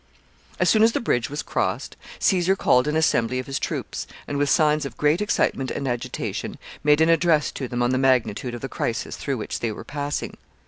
] As soon as the bridge was crossed, Caesar called an assembly of his troops, and, with signs of great excitement and agitation, made an address to them on the magnitude of the crisis through which they were passing.